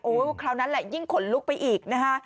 คราวนั้นแหละยิ่งขนลุกไปอีกนะฮะ